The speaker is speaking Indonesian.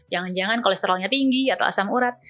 jangan jangan kolesterolnya tinggi atau asam urat